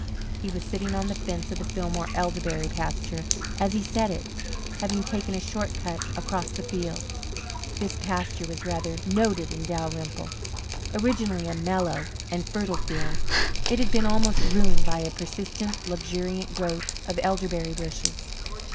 He was sitting on the fence of the Fillmore elderberry pasture as he said it, having taken a short cut across the fields. This pasture was rather noted in Dalrymple. Originally a mellow and fertile field, it had been almost ruined by a persistent, luxuriant growth of elderberry bushes.